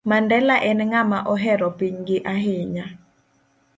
Mandela en ng'ama ohero pinygi ahinya